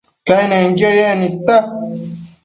Cainenquio yec nidta